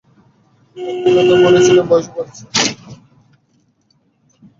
একটা কথা ভুলে ছিলুম, বয়সও বাড়ছে।